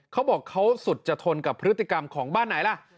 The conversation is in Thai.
เขาบอกเขาสุดจะทนกับพฤติกรรมของบ้านไหนล่ะ